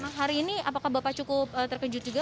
nah hari ini apakah bapak cukup terkejut juga